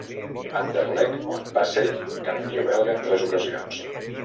Anderlecht on va ser campió belga en tres ocasions.